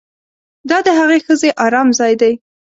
دا د هغې ښځې ارام ځای دی